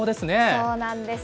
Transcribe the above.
そうなんです。